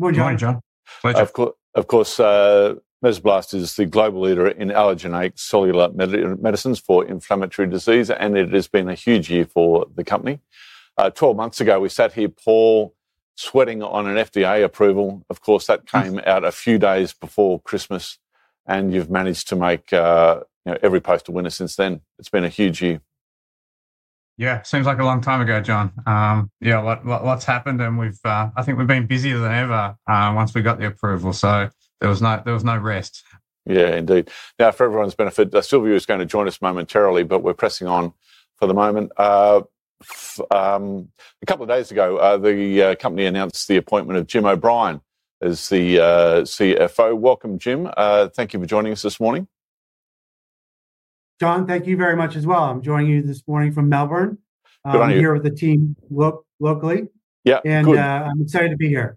Morning, John. Of course. Of course, Mesoblast is the global leader in allogeneic cellular medicines for inflammatory disease, and it has been a huge year for the company. Twelve months ago, we sat here, Paul, sweating on an FDA approval. Of course, that came out a few days before Christmas, and you've managed to make every post a winner since then. It's been a huge year. Yeah, it seems like a long time ago, John. Yeah, what's happened? I think we've been busier than ever once we got the approval, so there was no rest. Yeah, indeed. Now, for everyone's benefit, Silviu is going to join us momentarily, but we're pressing on for the moment. A couple of days ago, the company announced the appointment of Jim O'Brien as the CFO. Welcome, Jim. Thank you for joining us this morning. John, thank you very much as well. I'm joining you this morning from Melbourne. Good on you. I'm here with the team locally. Yeah, good. I'm excited to be here.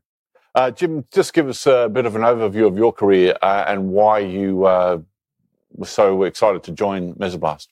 Jim, just give us a bit of an overview of your career and why you were so excited to join Mesoblast.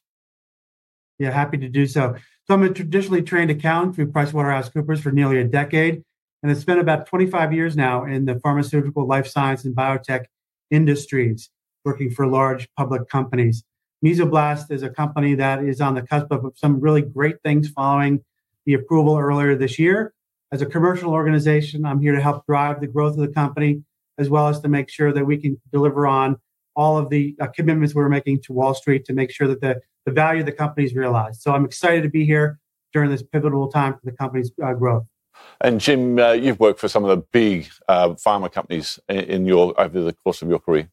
Yeah, happy to do so. I'm a traditionally trained accountant through PricewaterhouseCoopers for nearly a decade, and it's been about 25 years now in the pharmaceutical, life science, and biotech industries, working for large public companies. Mesoblast is a company that is on the cusp of some really great things following the approval earlier this year. As a commercial organization, I'm here to help drive the growth of the company, as well as to make sure that we can deliver on all of the commitments we're making to Wall Street to make sure that the value of the company is realized. I'm excited to be here during this pivotal time for the company's growth. Jim, you've worked for some of the big pharma companies over the course of your career.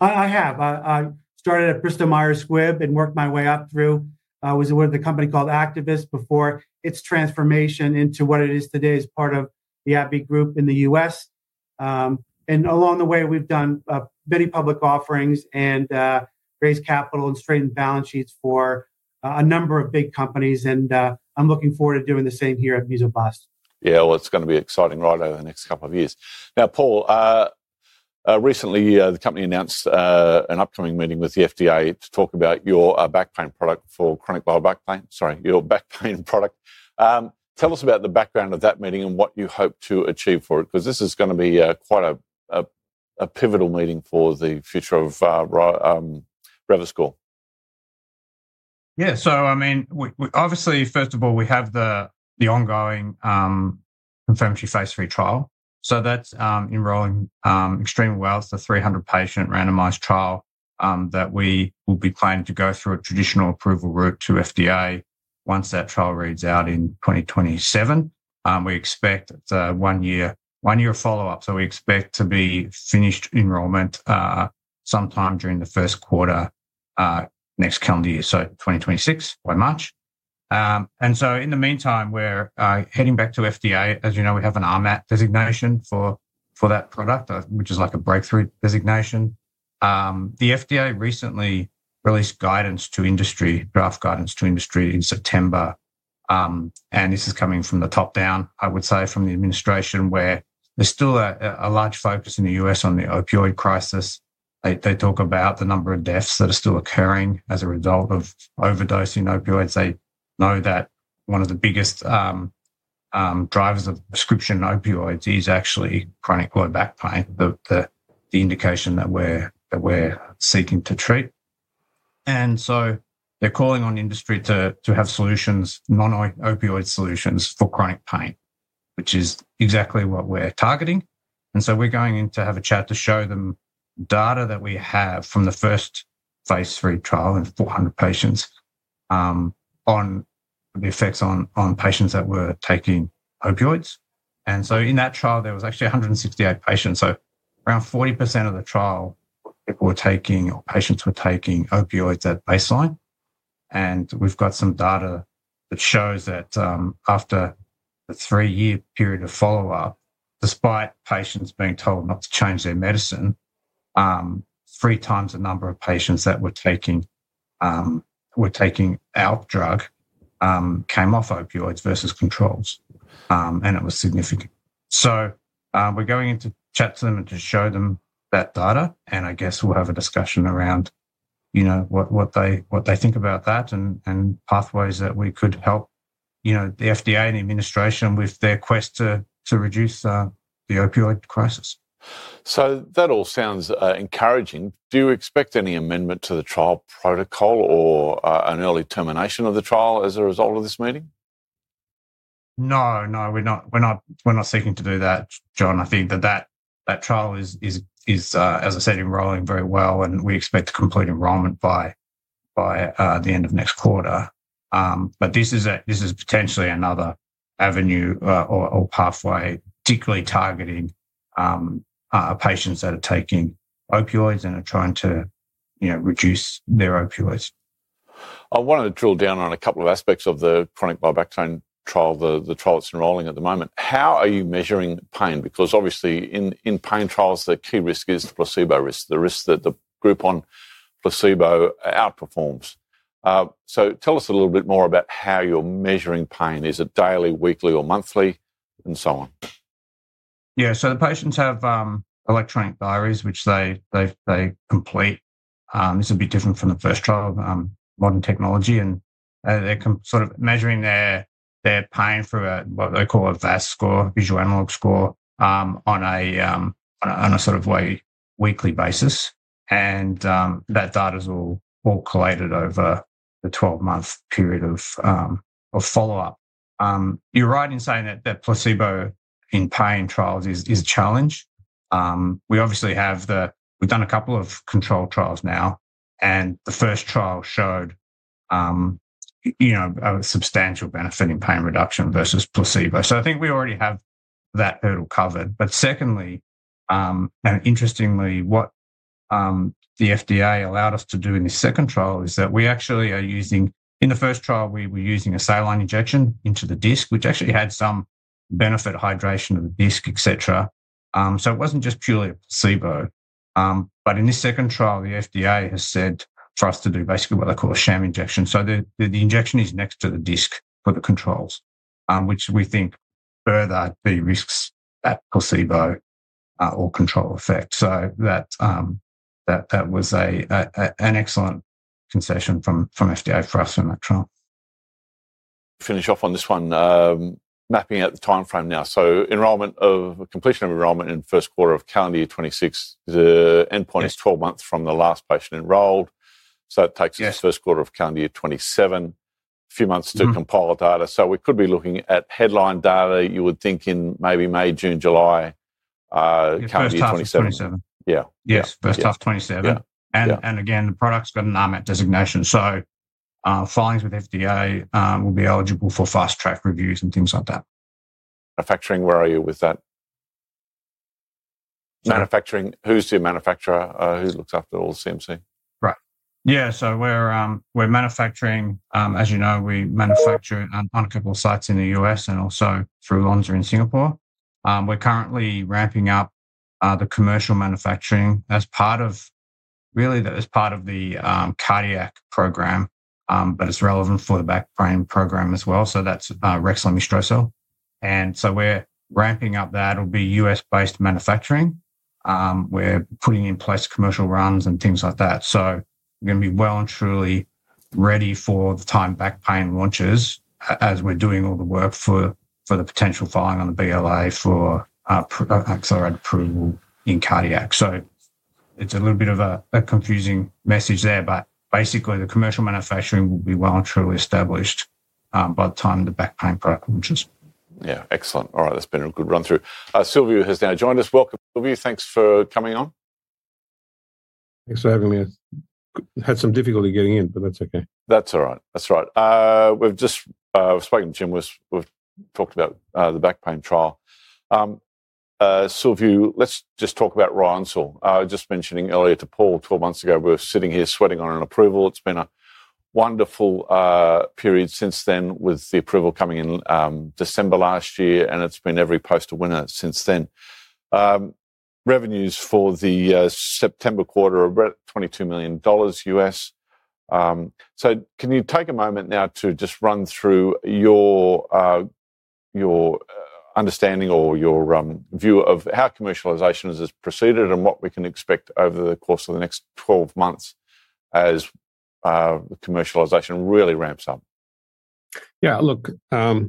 I have. I started at Bristol Myers Squibb and worked my way up through. I was with a company called Actavis before its transformation into what it is today as part of the AbbVie Group in the U.S. Along the way, we've done many public offerings and raised capital and straightened balance sheets for a number of big companies, and I'm looking forward to doing the same here at Mesoblast. Yeah, it's going to be exciting right over the next couple of years. Now, Paul, recently, the company announced an upcoming meeting with the FDA to talk about your back pain product for chronic back pain. Sorry, your back pain product. Tell us about the background of that meeting and what you hope to achieve for it, because this is going to be quite a pivotal meeting for the future of Revascor. Yeah, so I mean, obviously, first of all, we have the ongoing inflammatory Phase III trial. That’s enrolling extremely well. It’s a 300-patient randomized trial that we will be planning to go through a traditional approval route to FDA once that trial reads out in 2027. We expect one year of follow-up, so we expect to be finished enrollment sometime during the first quarter next calendar year, so 2026, by March. In the meantime, we’re heading back to FDA. As you know, we have an RMAT designation for that product, which is like a breakthrough designation. The FDA recently released guidance to industry, draft guidance to industry in September, and this is coming from the top down, I would say, from the administration, where there’s still a large focus in the US on the opioid crisis. They talk about the number of deaths that are still occurring as a result of overdosing opioids. They know that one of the biggest drivers of prescription opioids is actually chronic low back pain, the indication that we're seeking to treat. They are calling on industry to have solutions, non-opioid solutions for chronic pain, which is exactly what we're targeting. We are going in to have a chat to show them data that we have from the first Phase III trial in 400 patients on the effects on patients that were taking opioids. In that trial, there were actually 168 patients, so around 40% of the trial, people were taking or patients were taking opioids at baseline. We have some data that shows that after a three-year period of follow-up, despite patients being told not to change their medicine, three times the number of patients that were taking our drug came off opioids versus controls, and it was significant. We are going into chat to them and to show them that data, and I guess we will have a discussion around what they think about that and pathways that we could help the FDA and the administration with their quest to reduce the opioid crisis. That all sounds encouraging. Do you expect any amendment to the trial protocol or an early termination of the trial as a result of this meeting? No, no, we're not seeking to do that, John. I think that that trial is, as I said, enrolling very well, and we expect to complete enrollment by the end of next quarter. This is potentially another avenue or pathway, particularly targeting patients that are taking opioids and are trying to reduce their opioids. I want to drill down on a couple of aspects of the chronic bowel back pain trial, the trial that's enrolling at the moment. How are you measuring pain? Because obviously, in pain trials, the key risk is the placebo risk, the risk that the group on placebo outperforms. Tell us a little bit more about how you're measuring pain. Is it daily, weekly, or monthly, and so on? Yeah, so the patients have electronic diaries, which they complete. This will be different from the first trial of modern technology, and they're sort of measuring their pain through what they call a VAS score, Visual Analog Score, on a sort of weekly basis. That data is all collated over the 12-month period of follow-up. You're right in saying that placebo in pain trials is a challenge. We obviously have the we've done a couple of control trials now, and the first trial showed a substantial benefit in pain reduction versus placebo. I think we already have that hurdle covered. Secondly, and interestingly, what the FDA allowed us to do in this second trial is that we actually are using in the first trial, we were using a saline injection into the disc, which actually had some benefit of hydration of the disc, etc. It was not just purely a placebo. In this second trial, the FDA has said for us to do basically what they call a sham injection. The injection is next to the disc for the controls, which we think further de-risked that placebo or control effect. That was an excellent concession from FDA for us in that trial. Finish off on this one. Mapping out the timeframe now. Enrollment of completion of enrollment in the first quarter of calendar year 2026. The endpoint is 12 months from the last patient enrolled. That takes us to the first quarter of calendar year 2027, a few months to compile data. We could be looking at headline data, you would think, in maybe May, June, July, calendar year 2027. First half of 2027. Yeah. Yes, first half of 2027. The product's got an RMAT designation. Filings with FDA will be eligible for fast-track reviews and things like that. Manufacturing, where are you with that? Who's the manufacturer? Who looks after all the CMC? Right. Yeah, so we're manufacturing. As you know, we manufacture on a couple of sites in the U.S. and also through Lonza in Singapore. We're currently ramping up the commercial manufacturing as part of, really, as part of the cardiac program, but it's relevant for the back pain program as well. So that's Rexlemestrocel-L. And so we're ramping up that. It'll be U.S.-based manufacturing. We're putting in place commercial runs and things like that. We're going to be well and truly ready for the time back pain launches as we're doing all the work for the potential filing on the BLA for accelerated approval in cardiac. It's a little bit of a confusing message there, but basically, the commercial manufacturing will be well and truly established by the time the back-pain product launches. Yeah, excellent. All right, that's been a good run-through. Silviu has now joined us. Welcome, Silviu. Thanks for coming on. Thanks for having me. Had some difficulty getting in, but that's okay. That's all right. That's right. We've just spoken to Jim. We've talked about the back-pain trial. Silviu, let's just talk about Ryoncil. Just mentioning earlier to Paul, 12 months ago, we were sitting here sweating on an approval. It's been a wonderful period since then with the approval coming in December last year, and it's been every post a winner since then. Revenues for the September quarter are about $22 million. Can you take a moment now to just run through your understanding or your view of how commercialization has proceeded and what we can expect over the course of the next 12 months as commercialization really ramps up? Yeah, look, I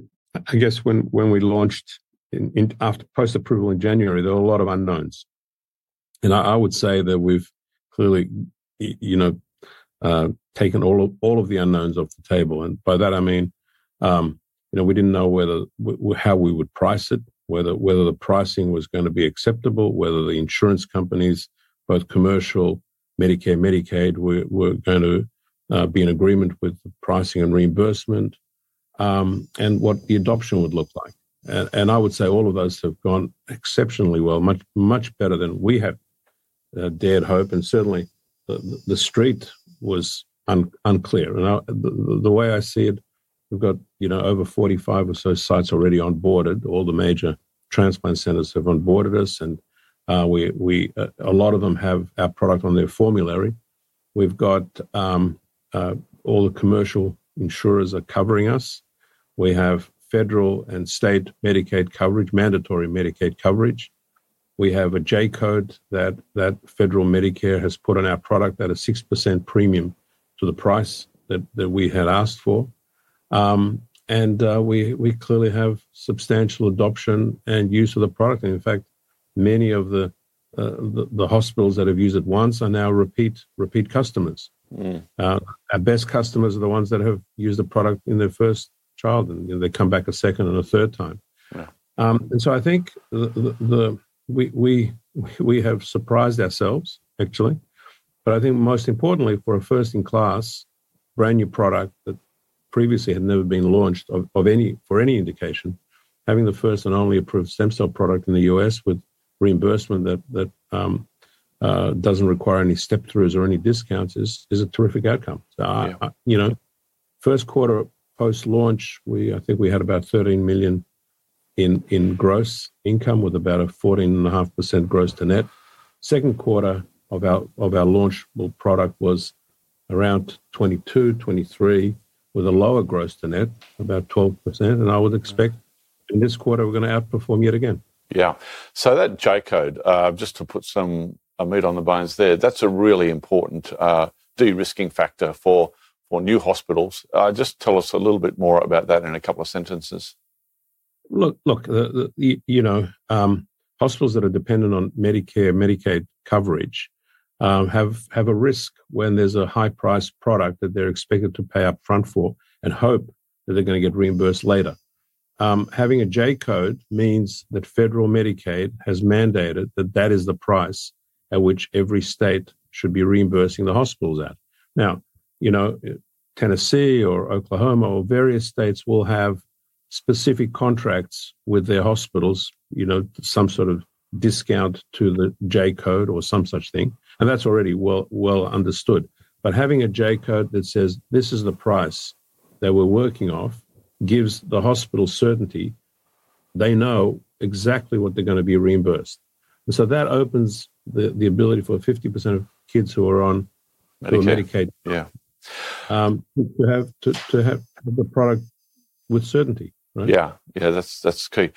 guess when we launched after post-approval in January, there were a lot of unknowns. I would say that we've clearly taken all of the unknowns off the table. By that, I mean we didn't know how we would price it, whether the pricing was going to be acceptable, whether the insurance companies, both commercial, Medicare, Medicaid, were going to be in agreement with the pricing and reimbursement, and what the adoption would look like. I would say all of those have gone exceptionally well, much better than we had dared hope. Certainly, the street was unclear. The way I see it, we've got over 45 or so sites already onboarded. All the major transplant centers have onboarded us, and a lot of them have our product on their formulary. We've got all the commercial insurers covering us. We have federal and state Medicaid coverage, mandatory Medicaid coverage. We have a J code that federal Medicare has put on our product at a 6% premium to the price that we had asked for. We clearly have substantial adoption and use of the product. In fact, many of the hospitals that have used it once are now repeat customers. Our best customers are the ones that have used the product in their first trial, and they come back a second and a third time. I think we have surprised ourselves, actually. I think most importantly, for a first-in-class, brand new product that previously had never been launched for any indication, having the first and only approved stem cell product in the US with reimbursement that does not require any step-throughs or any discounts is a terrific outcome. First quarter post-launch, I think we had about $13 million in gross income with about a 14.5% gross-to-net. Second quarter of our launch product was around $22 million-$23 million with a lower gross-to-net, about 12%. I would expect in this quarter, we're going to outperform yet again. Yeah. That J-code, just to put some meat on the bones there, that's a really important de-risking factor for new hospitals. Just tell us a little bit more about that in a couple of sentences. Look, you know hospitals that are dependent on Medicare, Medicaid coverage have a risk when there's a high-priced product that they're expected to pay upfront for and hope that they're going to get reimbursed later. Having a J-code means that federal Medicaid has mandated that that is the price at which every state should be reimbursing the hospitals at. Now, Tennessee or Oklahoma or various states will have specific contracts with their hospitals, some sort of discount to the J-code or some such thing. That's already well understood. Having a J-code that says, "This is the price that we're working off," gives the hospital certainty they know exactly what they're going to be reimbursed. That opens the ability for 50% of kids who are on Medicare to have the product with certainty. Yeah, yeah, that's key.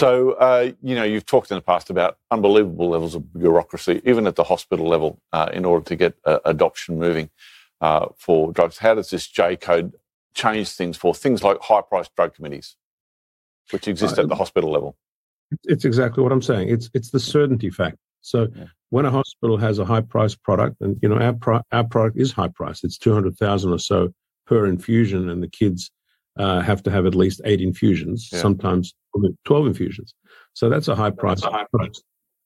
You have talked in the past about unbelievable levels of bureaucracy, even at the hospital level, in order to get adoption moving for drugs. How does this J-code change things for things like high-priced drug committees, which exist at the hospital level? It's exactly what I'm saying. It's the certainty fact. When a hospital has a high-priced product, and our product is high-priced, it's $200,000 or so per infusion, and the kids have to have at least eight infusions, sometimes 12 infusions. That's a high price.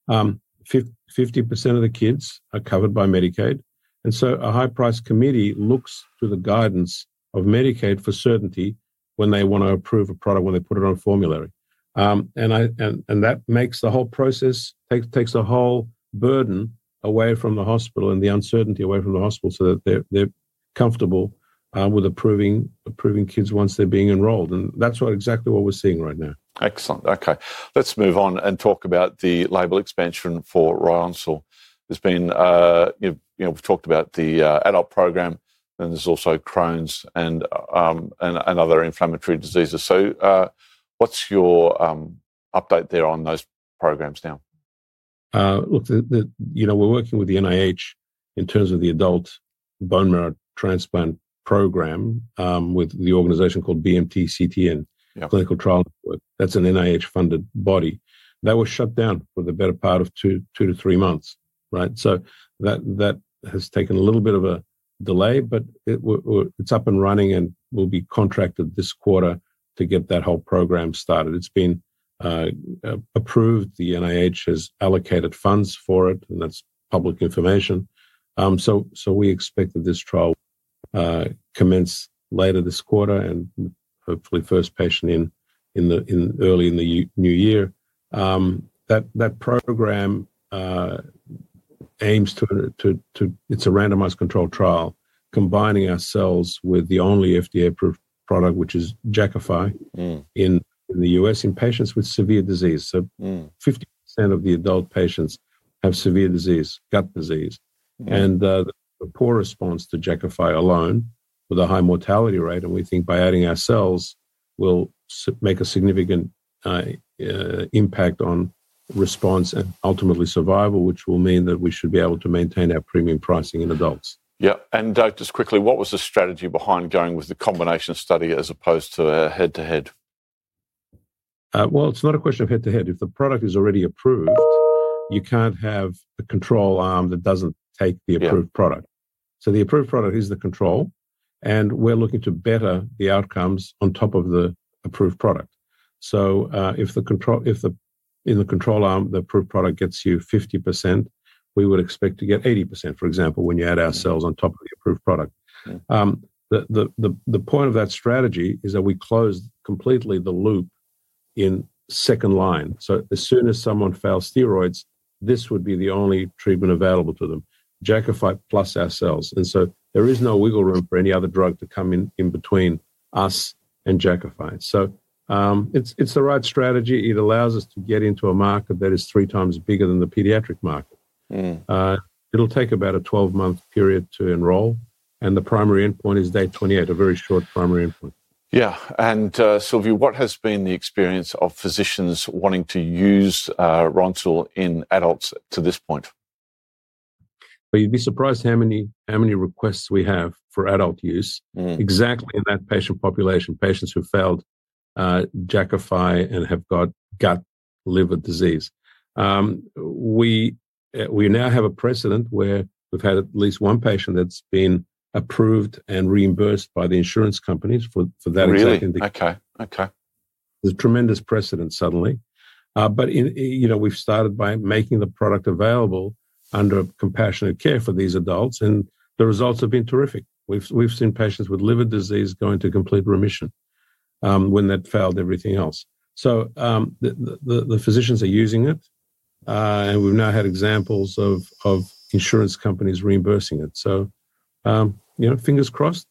50% of the kids are covered by Medicaid. A high-priced committee looks to the guidance of Medicaid for certainty when they want to approve a product when they put it on a formulary. That makes the whole process take the whole burden away from the hospital and the uncertainty away from the hospital so that they're comfortable with approving kids once they're being enrolled. That's exactly what we're seeing right now. Excellent. Okay. Let's move on and talk about the label expansion for Ryoncil. We've talked about the adult program, and there's also Crohn's and other inflammatory diseases. What's your update there on those programs now? Look, we're working with the NIH in terms of the adult bone marrow transplant program with the organization called BMT-CTN, Clinical Trial Network. That's an NIH-funded body. That was shut down for the better part of two to three months. That has taken a little bit of a delay, but it's up and running and will be contracted this quarter to get that whole program started. It's been approved. The NIH has allocated funds for it, and that's public information. We expect that this trial commences later this quarter and hopefully first patient in early in the new year. That program aims to it's a randomized controlled trial, combining ourselves with the only FDA-approved product, which is Jakafi, in the U.S. in patients with severe disease. 50% of the adult patients have severe disease, gut disease. The poor response to Jakafi alone with a high mortality rate, and we think by adding ourselves, we'll make a significant impact on response and ultimately survival, which will mean that we should be able to maintain our premium pricing in adults. Yeah. Just quickly, what was the strategy behind going with the combination study as opposed to a head-to-head? It is not a question of head-to-head. If the product is already approved, you cannot have a control arm that does not take the approved product. The approved product is the control, and we are looking to better the outcomes on top of the approved product. If in the control arm, the approved product gets you 50%, we would expect to get 80%, for example, when you add ourselves on top of the approved product. The point of that strategy is that we close completely the loop in second line. As soon as someone fails steroids, this would be the only treatment available to them, Jakafi plus ourselves. There is no wiggle room for any other drug to come in between us and Jakafi. It is the right strategy. It allows us to get into a market that is three times bigger than the pediatric market. It'll take about a 12-month period to enroll, and the primary endpoint is day 28, a very short primary endpoint. Yeah. Silviu, what has been the experience of physicians wanting to use Ryoncil in adults to this point? You'd be surprised how many requests we have for adult use, exactly in that patient population, patients who failed Jakafi and have got gut, liver disease. We now have a precedent where we've had at least one patient that's been approved and reimbursed by the insurance companies for that exact indication. Really? Okay. Okay. There's tremendous precedent suddenly. We have started by making the product available under compassionate care for these adults, and the results have been terrific. We have seen patients with liver disease going to complete remission when that failed everything else. The physicians are using it, and we have now had examples of insurance companies reimbursing it. Fingers crossed,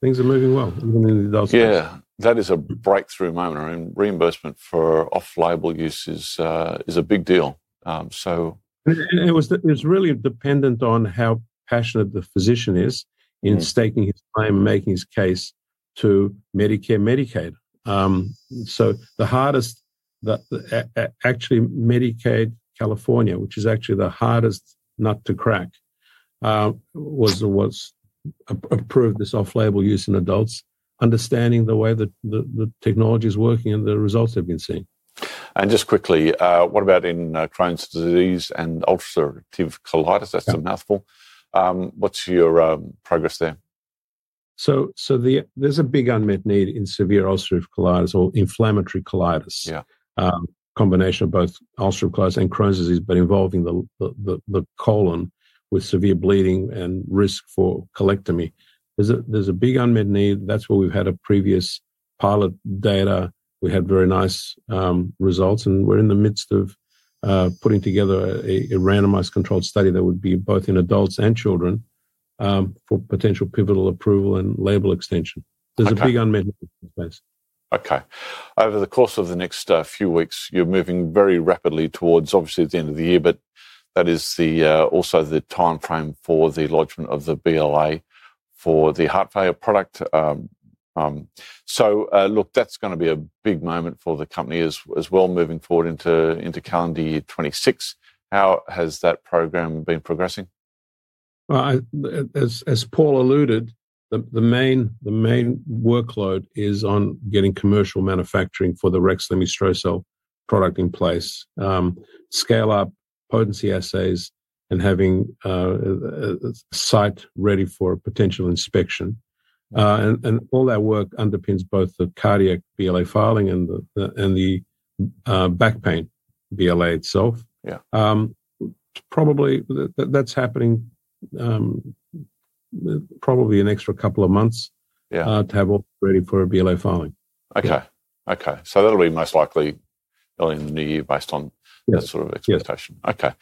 things are moving well, even in the adult. Yeah. That is a breakthrough moment. I mean, reimbursement for off-label use is a big deal. It was really dependent on how passionate the physician is in staking his claim and making his case to Medicare, Medicaid. Actually, Medicaid California, which is actually the hardest nut to crack, was approved this off-label use in adults, understanding the way that the technology is working and the results have been seen. Just quickly, what about in Crohn's disease and ulcerative colitis? That's a mouthful. What's your progress there? There's a big unmet need in severe ulcerative colitis or inflammatory colitis, combination of both ulcerative colitis and Crohn's disease, but involving the colon with severe bleeding and risk for colectomy. There's a big unmet need. That's where we've had a previous pilot data. We had very nice results, and we're in the midst of putting together a randomized controlled study that would be both in adults and children for potential pivotal approval and label extension. There's a big unmet need in this space. Okay. Over the course of the next few weeks, you're moving very rapidly towards, obviously, the end of the year, but that is also the timeframe for the launchment of the BLA for the heart failure product. Look, that's going to be a big moment for the company as well, moving forward into calendar year 2026. How has that program been progressing? As Paul alluded, the main workload is on getting commercial manufacturing for the Rexlemestrocel-L product in place, scale-up potency assays, and having a site ready for potential inspection. All that work underpins both the cardiac BLA filing and the back-pain BLA itself. Probably that's happening probably an extra couple of months to have all ready for a BLA filing. Okay. Okay. That'll be most likely early in the new year based on that sort of expectation. Okay.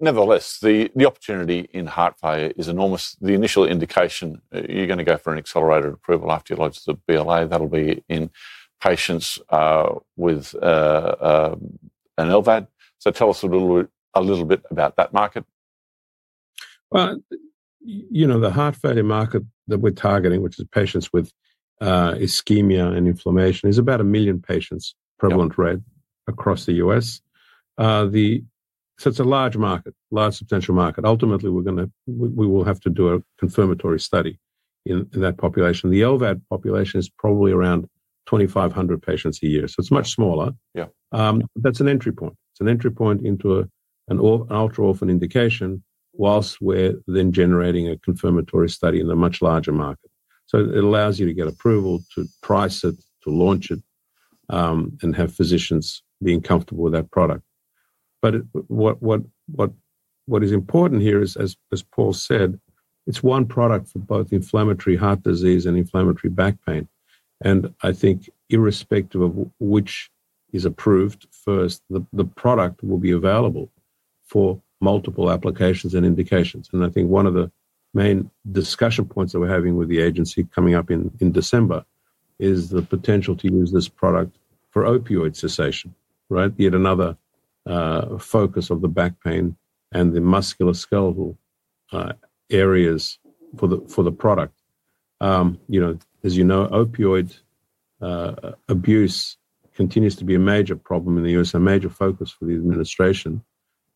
Nevertheless, the opportunity in heart failure is enormous. The initial indication, you're going to go for an accelerated approval after you launch the BLA. That'll be in patients with an LVAD. Tell us a little bit about that market. You know the heart failure market that we're targeting, which is patients with ischemia and inflammation, is about 1 million patients prevalent across the U.S. It is a large market, large substantial market. Ultimately, we will have to do a confirmatory study in that population. The LVAD population is probably around 2,500 patients a year. It is much smaller. That is an entry point. It is an entry point into an ultra-orphan indication whilst we're then generating a confirmatory study in a much larger market. It allows you to get approval to price it, to launch it, and have physicians being comfortable with that product. What is important here is, as Paul said, it is one product for both inflammatory heart disease and inflammatory back pain. I think irrespective of which is approved first, the product will be available for multiple applications and indications. I think one of the main discussion points that we're having with the agency coming up in December is the potential to use this product for opioid cessation, yet another focus of the back-pain and the musculoskeletal areas for the product. As you know, opioid abuse continues to be a major problem in the U.S., a major focus for the administration.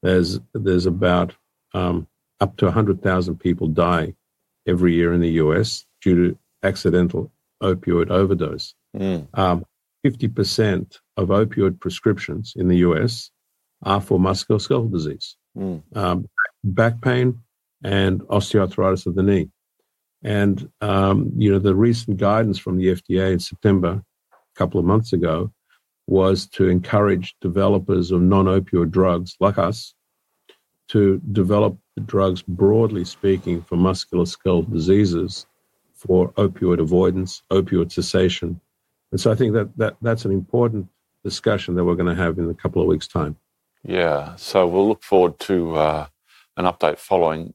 There's about up to 100,000 people die every year in the U.S. due to accidental opioid overdose. 50% of opioid prescriptions in the U.S. are for musculoskeletal disease, back pain, and osteoarthritis of the knee. The recent guidance from the FDA in September, a couple of months ago, was to encourage developers of non-opioid drugs like us to develop the drugs, broadly speaking, for musculoskeletal diseases for opioid avoidance, opioid cessation. I think that's an important discussion that we're going to have in a couple of weeks' time. Yeah. We'll look forward to an update following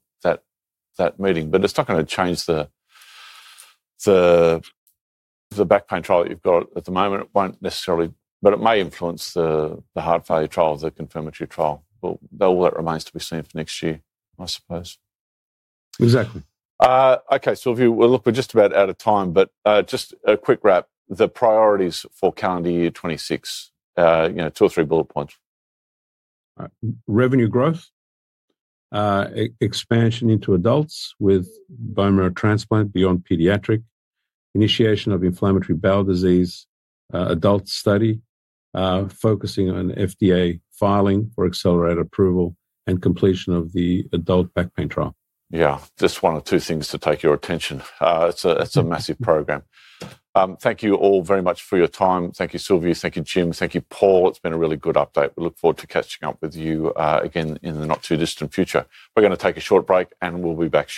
that meeting. It's not going to change the back pain trial that you've got at the moment. It won't necessarily, but it may influence the heart failure trial, the confirmatory trial. All that remains to be seen for next year, I suppose. Exactly. Okay. We're just about out of time, but just a quick wrap, the priorities for calendar year 2026, two or three bullet points. Revenue growth, expansion into adults with bone marrow transplant beyond pediatric, initiation of inflammatory bowel disease, adult study, focusing on FDA filing for accelerated approval and completion of the adult back-pain trial. Yeah. Just one or two things to take your attention. It's a massive program. Thank you all very much for your time. Thank you, Silviu. Thank you, Jim. Thank you, Paul. It's been a really good update. We look forward to catching up with you again in the not too distant future. We're going to take a short break, and we'll be back.